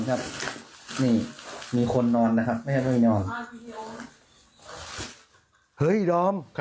เฮ้ยดอม